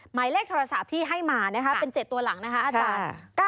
หมายเลขโทรศัพท์ที่ให้มาเป็น๗ตัวหลังอัตรา๙๖๙๓๕๙๒